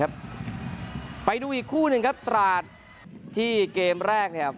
ไปดูอีกคู่หนึ่งครับตราดที่เกมแรกเนี่ย